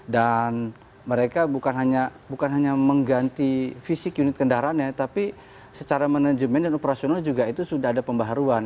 dan mereka bukan hanya mengganti fisik unit kendaraannya tapi secara manajemen dan operasional juga itu sudah ada pembaharuan